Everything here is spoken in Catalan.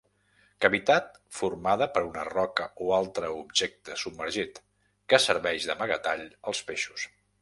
Cavitat formada per una roca o altre objecte submergit, que serveix d'amagatall als peixos.